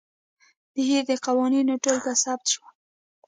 د هیر د قوانینو ټولګه ثبت شوه.